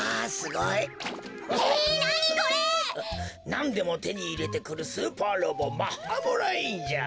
なんでもてにいれてくるスーパーロボマッハ・モライーンじゃ。